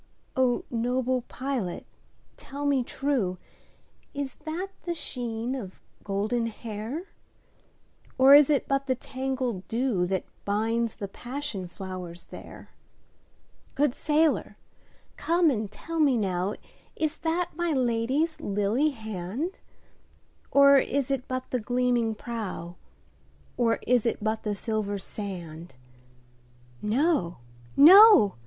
O noble pilot tell me trueIs that the sheen of golden hair? Or is it but the tangled dewThat binds the passion flowers there? Good sailor come and tell me nowIs that my Lady's lily hand? Or is it but the gleaming prow, Or is it but the silver sand? No! no!